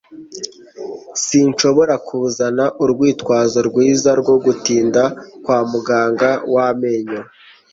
sinshobora kuzana urwitwazo rwiza rwo gutinda kwa muganga w amenyo